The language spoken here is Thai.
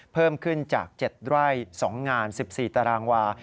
เพิ่มขึ้นจาก๗ไร่๒งาน๑๔ตารางวา